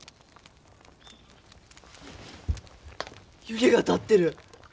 湯気が立ってる。